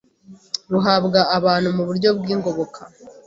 ruhabwa abantu mu buryo bw’ingoboka.